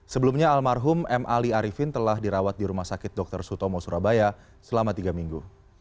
sebelumnya almarhum m ali arifin telah dirawat di rumah sakit dr sutomo surabaya selama tiga minggu